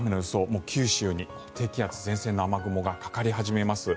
もう九州に低気圧、前線の雨雲がかかり始めます。